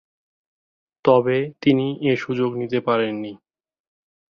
তবে, তিনি এ সুযোগ নিতে পারেননি।